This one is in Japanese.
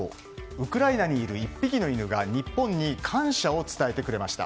ウクライナにいる１匹の犬が日本に感謝を伝えてくれました。